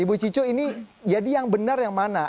ibu cicu ini jadi yang benar yang mana